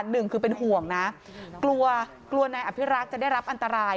หนึ่งคือเป็นห่วงนะกลัวกลัวนายอภิรักษ์จะได้รับอันตราย